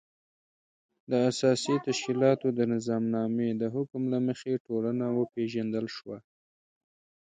د اساسي تشکیلاتو د نظامنامې د حکم له مخې ټولنه وپېژندل شوه.